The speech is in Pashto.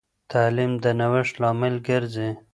تعلیم د نوښت لامل ګرځي.